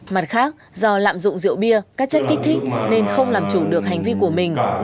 mặt khác do lạm dụng rượu bia các chất kích thích nên không làm chủ được hành vi của mình